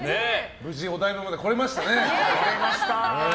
無事、お台場まで来れましたね。